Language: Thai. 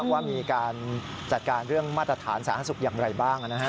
ว่ามีการจัดการเรื่องมาตรฐานสารศักดิ์ศุกร์อย่างไรบ้างนะฮะ